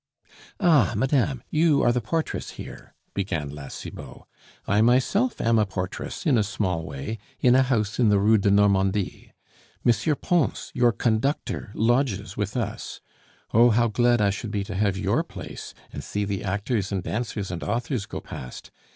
"Ah! madame, you are the portress here," began La Cibot. "I myself am a portress, in a small way, in a house in the Rue de Normandie. M. Pons, your conductor, lodges with us. Oh, how glad I should be to have your place, and see the actors and dancers and authors go past.